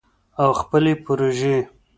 او خپلې پروژې